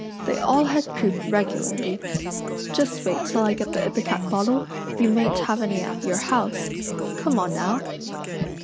They all had croup regularly. Just wait till I get the ipecac bottle you mayn't have any at your house. Come on now."